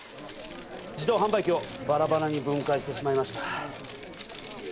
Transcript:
自動販売機をバラバラに分解してしまいました。